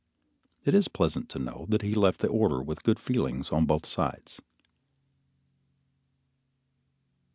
It is pleasant to know that he left the order with good feelings on both sides.